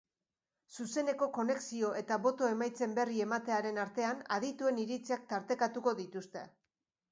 Zuzeneko konexio eta boto emaitzen berri ematearen artean adituen iritziak tartekatuko dituzte.